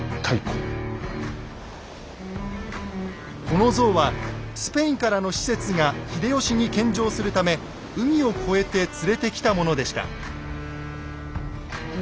このゾウはスペインからの使節が秀吉に献上するため海を越えて連れてきたものでした。